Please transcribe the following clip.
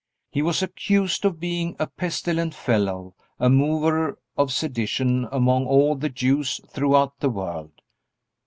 He was accused of being "a pestilent fellow, a mover of sedition among all the Jews throughout the world."